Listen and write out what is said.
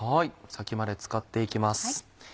先まで使って行きます。